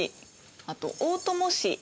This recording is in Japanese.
あと大友氏